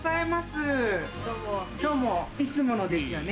今日もいつものですよね？